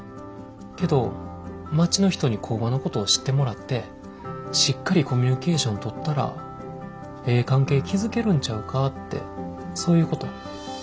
けど町の人に工場のことを知ってもらってしっかりコミュニケーション取ったらええ関係築けるんちゃうかってそういうこと？